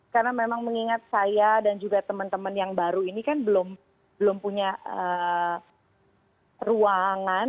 karena memang mengingat saya dan juga teman teman yang baru ini kan belum punya ruangan